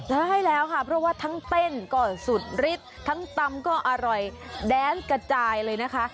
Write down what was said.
ใช่แล้วค่ะเพราะว่าทั้งเต้นก็สุดฤทธิ์ทั้งตำก็อร่อยแดนกระจายเลยนะคะ